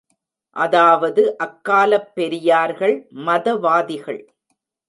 அதாவது அக்காலப் பெரியார்கள் மதவாதிகள்!